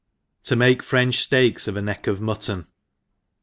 To make French Steaks of a Neck of Mutton.